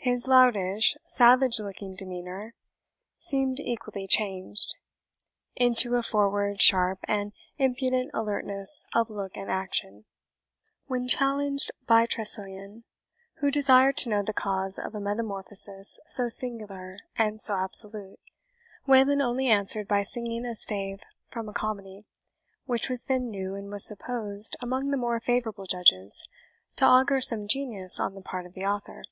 His loutish, savage looking demeanour seemed equally changed, into a forward, sharp, and impudent alertness of look and action. When challenged by Tressilian, who desired to know the cause of a metamorphosis so singular and so absolute, Wayland only answered by singing a stave from a comedy, which was then new, and was supposed, among the more favourable judges, to augur some genius on the part of the author.